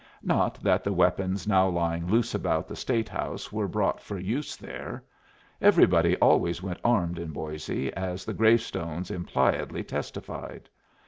Not that the weapons now lying loose about the State House were brought for use there. Everybody always went armed in Boisé, as the gravestones impliedly testified.